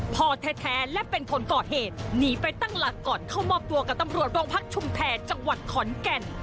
พ่อแท้และเป็นคนก่อเหตุหนีไปตั้งหลักก่อนเข้ามอบตัวกับตำรวจโรงพักชุมแพรจังหวัดขอนแก่น